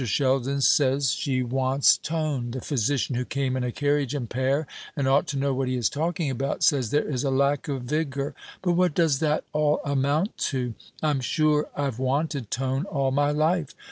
Sheldon says she wants tone; the physician who came in a carriage and pair, and ought to know what he is talking about, says there is a lack of vigour. But what does that all amount to? I'm sure I've wanted tone all my life.